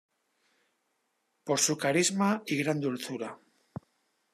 Por su carisma y gran dulzura.